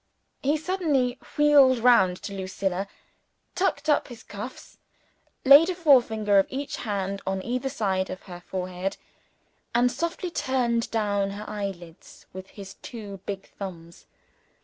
He suddenly wheeled round to Lucilla, tucked up his cuffs, laid a forefinger of each hand on either side of her forehead, and softly turned down her eyelids with his two big thumbs.